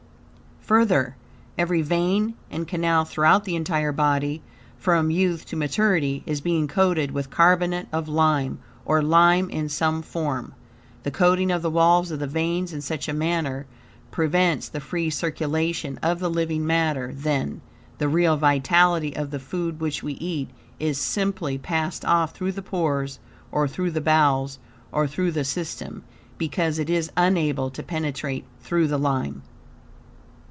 Further, every vein and canal throughout the entire body, from youth to maturity, is being coated with carbonate of lime, or lime in some form. The coating of the walls of the veins in such a manner, prevents the free circulation of the living matter; then, the real vitality of the food which we eat, is simply passed off through the pores, or through the bowels, or through the system, because it is unable to penetrate through the lime.